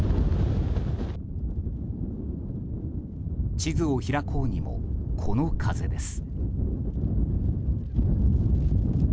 地図を開こうにもこの風です。